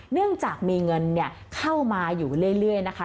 เนื่องจากมีเงินเข้ามาอยู่เรื่อยนะคะ